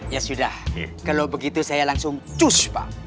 ya sudah kalau begitu saya langsung cus pak